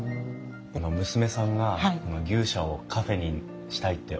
娘さんが牛舎をカフェにしたいっておっしゃった時。